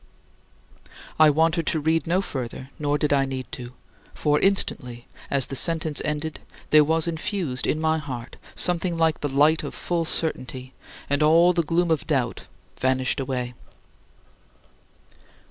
" I wanted to read no further, nor did I need to. For instantly, as the sentence ended, there was infused in my heart something like the light of full certainty and all the gloom of doubt vanished away.